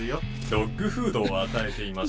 ドッグフードを与えていました。